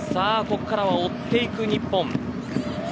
ここからは追っていく日本。